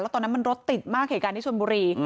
ตอนนั้นมันรถติดมากเหตุการณ์ที่ชนบุรี